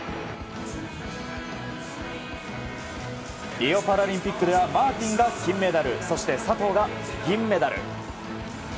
リオパラリンピックではマーティンが金メダルそして佐藤が銀メダル。